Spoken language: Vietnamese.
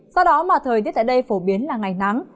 do đó mà thời tiết tại đây phổ biến là ngày nắng